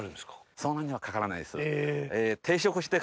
そんなにはかからないです。